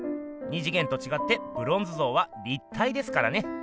二次元とちがってブロンズ像は立体ですからね。